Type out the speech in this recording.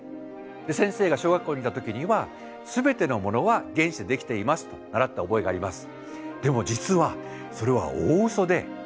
先生が小学校にいた時にはすべてのものは原子でできていますと習った覚えがあります。